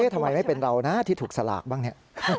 ทำไมไม่เป็นเรานะที่ถูกสลากบ้างเนี่ย